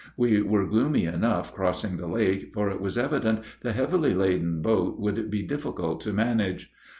We were gloomy enough crossing the lake, for it was evident the heavily laden boat would be difficult to manage.